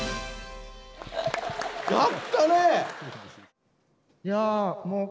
やったね！